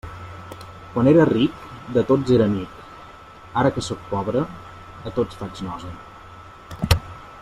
Quan era ric, de tots era amic; ara que sóc pobre, a tots faig nosa.